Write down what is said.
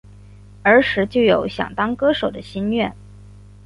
儿时就有想当歌手的心愿。